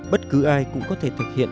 bất cứ ai cũng có thể thực hiện